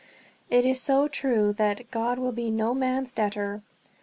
It is so true that "God will be no man's debtor."